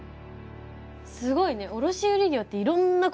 すごいね卸売業っていろんなこともしてるんだね。